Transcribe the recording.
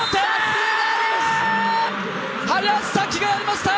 林咲希がやりました！